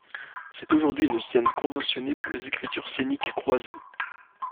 C'est aujourd'hui une scène conventionnée pour les écritures scéniques croisées.